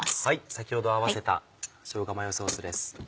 先ほど合わせたしょうがマヨソースです。